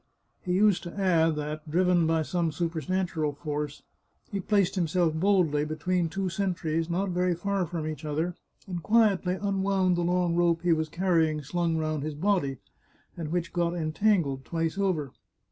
He used to add that, driven by some super natural force, he placed himself boldly between two sentries, not very far from each other, and quietly unwound the long rope he was carrying slung round his body, and which got entangled twice over.